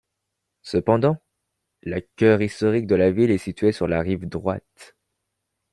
Cependant, la cœur historique de la ville est situé sur la rive droite.